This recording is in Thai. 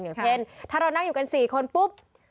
อย่างเช่นถ้าเรานั่งอยู่กัน๔คนปุ๊บ